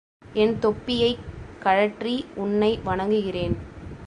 என் தொப்பியைக் கழற்றி உன்னை வணங்குகிறேன்!